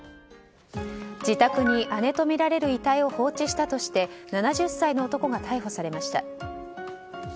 自宅に姉とみられる遺体を放置したとして７０歳の男が逮捕されました。